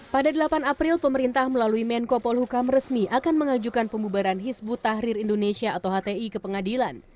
pada delapan april pemerintah melalui menko polhukam resmi akan mengajukan pembubaran hizbut tahrir indonesia atau hti ke pengadilan